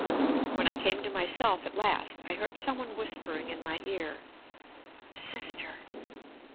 When I came to myself at last, I heard some one whispering in my ear: "Sister."